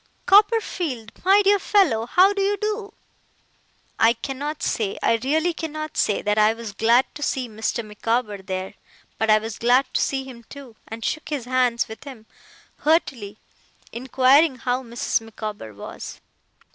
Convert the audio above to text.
Copperfield, my dear fellow, how do you do?' I cannot say I really cannot say that I was glad to see Mr. Micawber there; but I was glad to see him too, and shook hands with him, heartily, inquiring how Mrs. Micawber was.